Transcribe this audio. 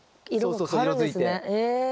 そうそうそう色づいて。